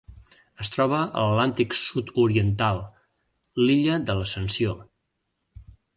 Es troba a l'Atlàntic sud-oriental: l'illa de l'Ascensió.